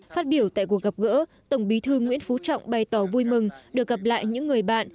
phát biểu tại cuộc gặp gỡ tổng bí thư nguyễn phú trọng bày tỏ vui mừng được gặp lại những người bạn